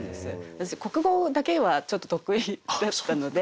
私国語だけはちょっと得意だったので。